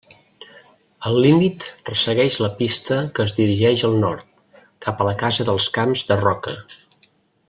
El límit ressegueix la pista que es dirigeix al nord, cap a la casa dels Camps de Roca.